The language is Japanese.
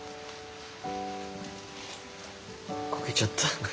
焦げちゃった。